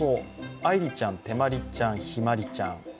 あいりちゃん、てまりちゃん、ひまりちゃん。